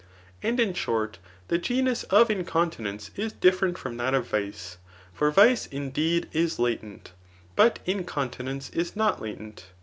And, in short, the genus of incontinence is different from diat of vice; for vice, indeed, is latent, but incontinence is not latent.